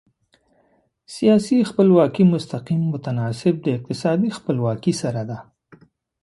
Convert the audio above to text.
سیاسي خپلواکي مستقیم متناسب د اقتصادي خپلواکي سره ده.